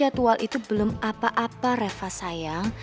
jadwal itu belum apa apa reva sayang